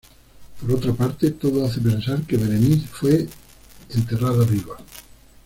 Por otra parte, todo hace pensar que Berenice fue enterrada "viva".